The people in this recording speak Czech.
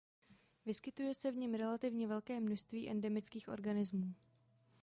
Vyskytuje se v něm relativně velké množství endemických organizmů.